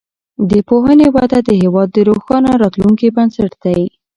د پوهنې وده د هیواد د روښانه راتلونکي بنسټ دی.